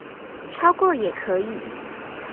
超過也可以